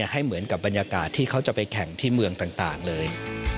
ให้เหมือนกับบรรยากาศที่เขาจะไปแข่งที่เมืองต่างเลย